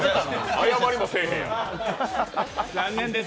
謝りもせえへんやん。